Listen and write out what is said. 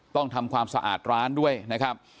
ต้องทำความสะอาดร้านด้วยนะครับ